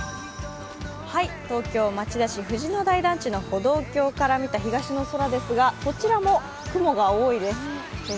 東京・町田市の歩道橋から見た東の空ですが、こちらも雲が多いです。